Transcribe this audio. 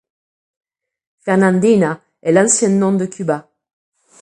Fernandina est l'ancien nom de Cuba.